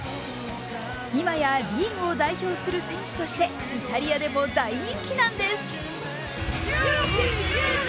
今やリーグを代表する選手としてイタリアでも大人気なんです。